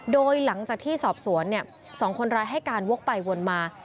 โดยหลังจากที่สอบสวน๒คนร้ายให้การวกไปวนมา